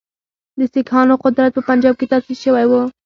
د سیکهانو قدرت په پنجاب کې تاسیس شوی وو.